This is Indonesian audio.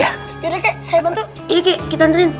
yaudah kakek saya bantu iya kakek kita ngerin